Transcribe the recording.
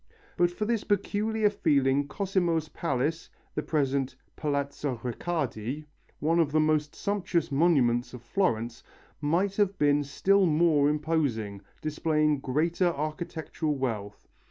But for this peculiar feeling Cosimo's palace, the present Palazzo Riccardi, one of the most sumptuous monuments of Florence, might have been still more imposing, displaying greater architectural wealth.